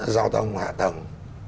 giao thông hạ tầng